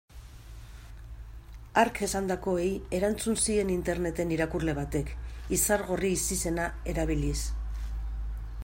Hark esandakoei erantzun zien interneten irakurle batek, Izargorri ezizena erabiliz.